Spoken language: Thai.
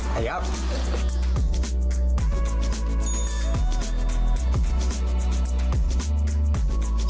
ไปครับ